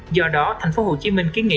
do đó thành phố hồ chí minh kiến nghị